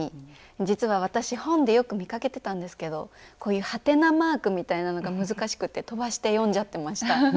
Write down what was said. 実は私本でよく見かけてたんですけどこういうはてなマークみたいなのが難しくて飛ばして読んじゃってました。ね？